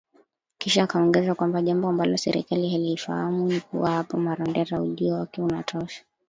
Kisha akaongeza kwamba jambo ambalo serikali hailifahamu ni kuwa hapa Marondera, ujio wake unatosha